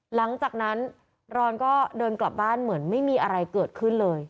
หลังจากนั้นรอนก็เดินกลับบ้านเหมือนไม่มีอะไรเกิดขึ้นเลย